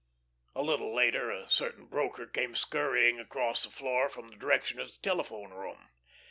A little later a certain broker came scurrying across the floor from the direction of the telephone room.